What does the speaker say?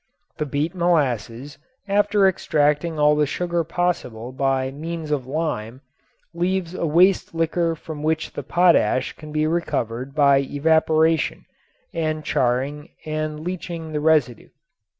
The beet molasses, after extracting all the sugar possible by means of lime, leaves a waste liquor from which the potash can be recovered by evaporation and charring and leaching the residue.